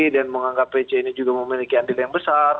dan menganggap pc ini juga memiliki andil yang besar